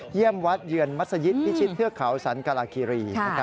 เยี่ยมวัดเยือนมัศยิตพิชิตเทือกเขาสันกราคีรี